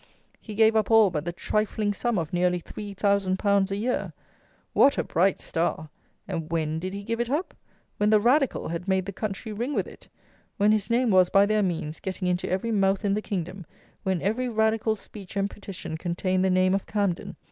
He gave up all but the trifling sum of nearly three thousand pounds a year! What a bright star! And when did he give it up? When the Radical had made the country ring with it. When his name was, by their means, getting into every mouth in the kingdom; when every Radical speech and petition contained the name of Camden.